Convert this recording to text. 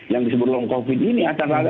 yang disebut long covid ini